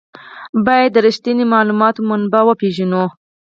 باید د رښتیني معلوماتو منبع وپېژنو.